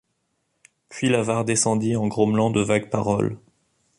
Puis l’avare descendit en grommelant de vagues paroles.